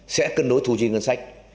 sẽ cân đối thu chi ngân sách